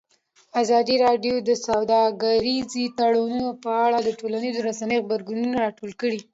ازادي راډیو د سوداګریز تړونونه په اړه د ټولنیزو رسنیو غبرګونونه راټول کړي.